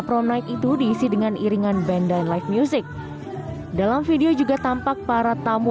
pro night itu diisi dengan iringan band dan live music dalam video juga tampak para tamu